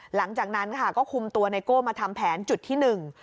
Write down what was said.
หลังจากนั้นค่ะก็คุมตัวไนโก้มาทำแผนจุดที่หนึ่ง